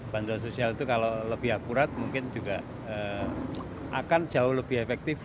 bantuan sosial itu kalau lebih akurat mungkin juga akan jauh lebih efektif